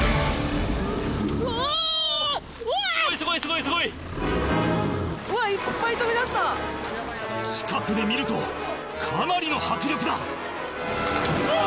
・うわいっぱい飛び出した・近くで見るとかなりの迫力だ・うわ！